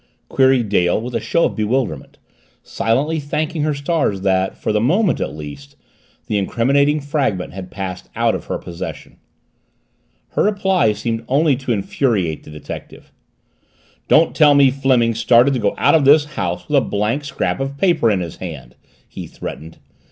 queried Dale with a show of bewilderment, silently thanking her stars that, for the moment at least, the incriminating fragment had passed out of her possession. Her reply seemed only to infuriate the detective. "Don't tell me Fleming started to go out of this house with a blank scrap of paper in his hand," he threatened.